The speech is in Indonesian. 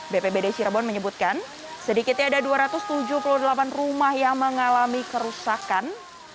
bpbd cirebon menyebutkan sedikitnya ada dua ratus tujuh puluh delapan rumah yang mengalami kerusakan